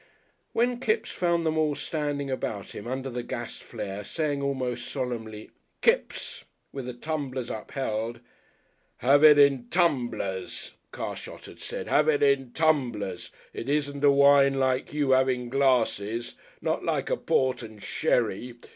When Kipps found them all standing about him under the gas flare, saying almost solemnly "Kipps!" with tumblers upheld "Have it in tumblers," Carshot had said; "have it in tumblers. It isn't a wine like you have in glasses. Not like port and sherry.